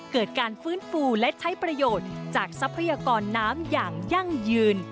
เกิดการฟื้นฟูและใช้ประโยชน์จากทรัพยากรน้ำอย่างยั่งยืน